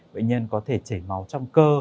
bệnh nhân có thể chảy máu trong cơ